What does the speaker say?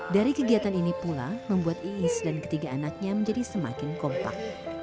dari kegiatan ini pula membuat iis dan ketiga anaknya menjadi semakin kompak